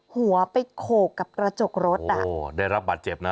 หัวไปโขกกับกระจกรถอ่ะโอ้ได้รับบาดเจ็บนะ